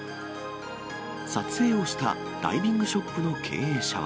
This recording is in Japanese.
撮影をしたダイビングショップの経営者は。